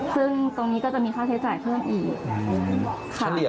ซึ่งตรงนี้ก็จะมีค่าใช้จ่ายเพิ่มอีกค่ะ